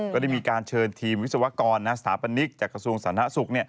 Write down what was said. ก็ได้มีการเชิญทีมวิศวกรสถาปนิกจากกระทรวงสาธารณสุข